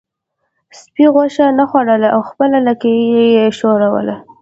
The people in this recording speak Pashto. سپي غوښه نه خوړله او خپله لکۍ یې ښوروله.